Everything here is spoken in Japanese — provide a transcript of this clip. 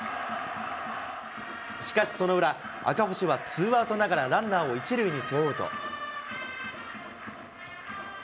しかしその裏、赤星はツーアウトながらランナーを１塁に背負うと。